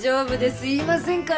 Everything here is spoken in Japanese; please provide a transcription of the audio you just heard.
言いませんから！